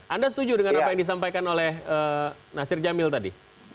anda setuju dengan apa yang disampaikan oleh nasir jamil tadi